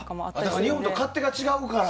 日本と勝手が違うから。